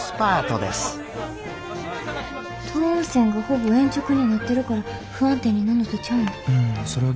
等温線がほぼ鉛直になってるから不安定になんのとちゃうの？